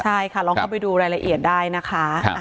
ใช่ค่ะลองเข้าไปดูรายละเอียดได้นะคะ